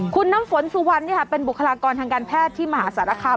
คุณน้ำฝนสุวรรณเป็นบุคลากรทางการแพทย์ที่มหาสารคาม